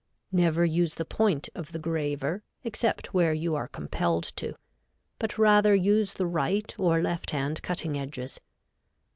Never use the point of the graver, except where you are compelled to, but rather use the right or left hand cutting edges.